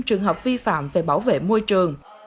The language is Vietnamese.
trường hợp vi phạm về bảo vệ môi trường